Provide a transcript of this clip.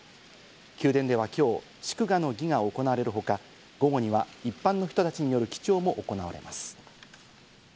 宮殿では今日、祝賀の儀が行われるほか、午後には一般の人たちによる記帳も行われます。